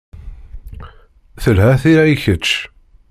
Telha tira i kečč.